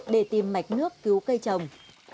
để tìm mạch nước cứu cây trồng